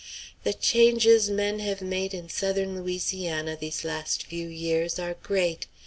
The changes men have made in Southern Louisiana these last few years are great.